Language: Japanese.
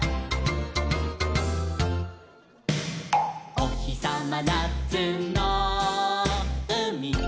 「おひさまなつのうみ」